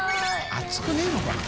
熱くねぇのかな？